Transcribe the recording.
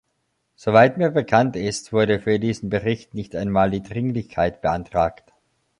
Soweit mir bekannt ist, wurde für diesen Bericht nicht einmal die Dringlichkeit beantragt.